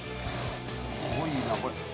すごいなこれ。